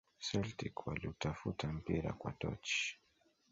celtic waliutafuta mpira kwa tochi